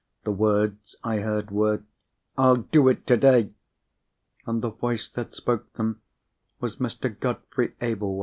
The words I heard were, "I'll do it today!" And the voice that spoke them was Mr. Godfrey Ablewhite's.